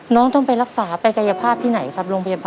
น้องต้องไปรักษาไปกายภาพที่ไหนครับโรงพยาบาล